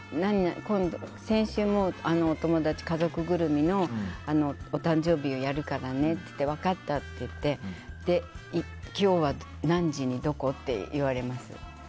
先週もお友達、家族ぐるみのお誕生日をやるからねって言って分かったって言ってそれで今日は何時にどこ？って言われます。